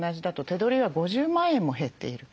手取りは５０万円も減っている。